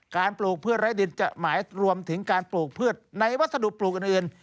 ปลูกพืชไร้ดินจะหมายรวมถึงการปลูกพืชในวัสดุปลูกอื่น